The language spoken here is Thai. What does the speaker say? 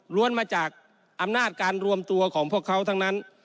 มาจากอำนาจการรวมตัวของพวกเขาทั้งนั้น